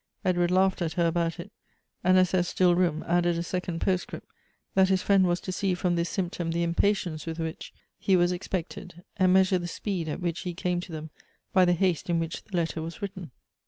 Edward laughed at her about it, and, as there was still room, added a second postscript, that his friend was to see from this symptom the impatience with which he was ex pected, and measure the speed at which he came to them by the haste in which the letter was written.